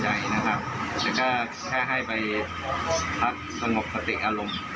แล้วก็แค่ให้ไปพักสงบสติอารมณ์